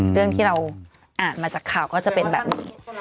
เรื่องที่เราอ่านมาจากข่าวก็จะเป็นแบบนี้